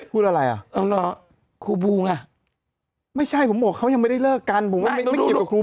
พูดอะไรอ่ะเนี่ยครูบูง่ะไม่ใช่ผมก็พูดเขายังไม่ได้เลิกกันไม่เหรอว่า